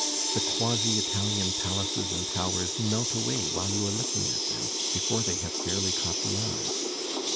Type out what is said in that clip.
The quasi Italian palaces and towers melt away while you are looking at them, before they have fairly caught the eye.